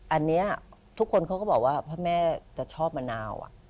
อันนี้ทุกคนเขาก็บอกว่าพระแม่จะชอบมะนาว